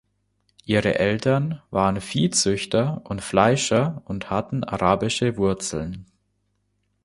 Ihre Eltern waren Viehzüchter und Fleischer und hatten arabische Wurzeln.